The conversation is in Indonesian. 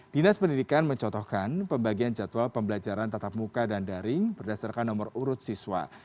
dinas pendidikan mencotohkan pembagian jadwal pembelajaran tetap muka dan daring berdasarkan nomor urut siswa